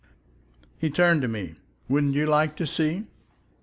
He turned to me. "Wouldn't you like to see?"